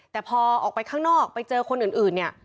แต่พอออกไปข้างนอกไปเจอคนอื่นเนี่ย